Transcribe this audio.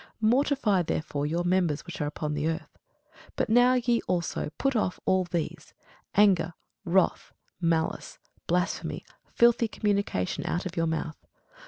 Mortify therefore your members which are upon the earth. But now ye also put off all these; anger, wrath, malice, blasphemy, filthy communication out of your mouth.